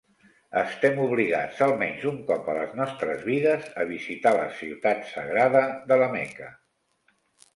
Estem obligats, almenys un cop a les nostres vides, a visitar la ciutat sagrada de la Meca.